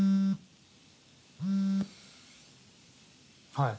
はい。